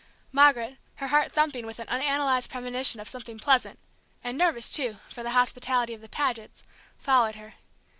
Margaret, her heart thumping with an unanalyzed premonition of something pleasant, and nervous, too, for the hospitality of the Pagets, followed her.